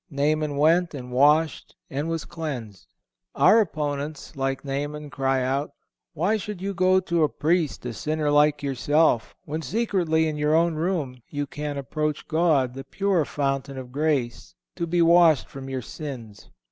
Naaman went and washed and was cleansed. Our opponents, like Naaman, cry out: "Why should you go to a Priest, a sinner like yourself, when secretly, in your own room, you can approach God, the pure fountain of grace, to be washed from your sins?"